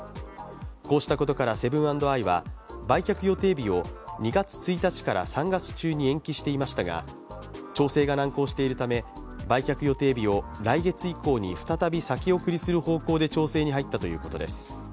こうしたことから、セブン＆アイは売却予定日を２月１日から３月中に延期していましたが調整が難航しているため売却予定日を来月以降に再び先送りする方向で調整に入ったということです。